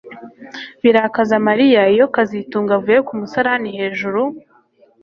Birakaza Mariya iyo kazitunga avuye ku musarani hejuru